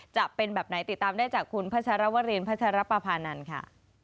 จะเป็นแบบไหนติดตามได้จากคุณพัชรวรินพัชรปภานันทร์ค่ะ